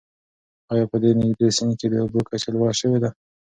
آیا په دې نږدې سیند کې د اوبو کچه لوړه شوې ده؟